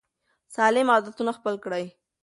سالم عادتونه خپل کړئ.